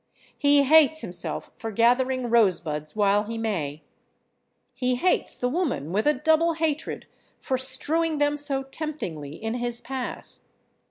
He hates himself for gathering rosebuds while he may; he hates the woman with a double hatred for strewing them so temptingly in his path.